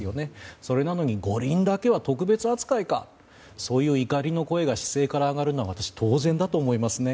それなのに、五輪だけは特別扱いかとそういう怒りの声が市井から上がるのは私は当然だと思いますね。